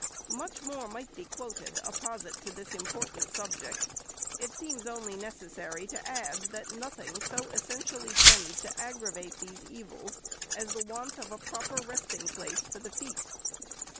Much more might be quoted, apposite to this important subject. It seems only necessary to add, that nothing so essentially tends to aggravate these evils, as the want of a proper resting place for the feet.